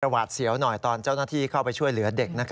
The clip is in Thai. หวาดเสียวหน่อยตอนเจ้าหน้าที่เข้าไปช่วยเหลือเด็ก